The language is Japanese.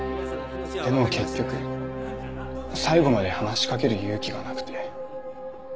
でも結局最後まで話しかける勇気がなくて。